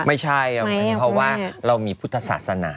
ไม่ใช่เพราะว่าเรามีพุทธศาสนา